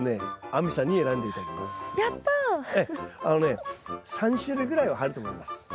あのね３種類ぐらいは入ると思います。